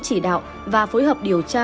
chỉ đạo và phối hợp điều tra